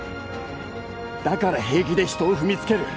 だから平気で人を踏みつける。